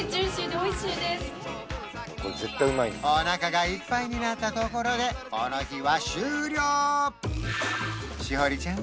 おなかがいっぱいになったところでこの日は終了しほりちゃん